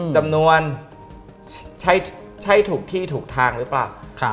จำนวนใช้ถูกที่ถูกทางหรือเปล่า